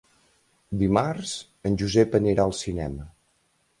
Dimarts en Josep anirà al cinema.